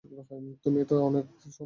তুমি তো আমাদের সম্যক দ্রষ্টা।